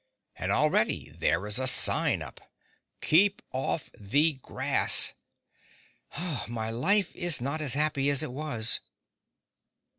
And already there is a sign up: KEEP OFF THE GRASS My life is not as happy as it was.